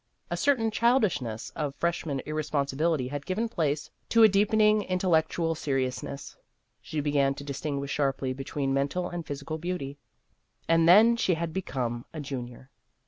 A certain childishness of freshman irresponsibility had given place to a deepening intellectual seriousness. She began to distinguish sharply between mental and physical beauty. And then she had become a junior.